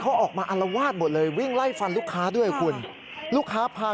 โทษทีโทษทีโทษที